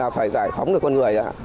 phải giải phóng được con người